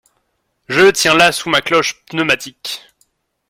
Je le tiens là sous ma cloche pneumatique!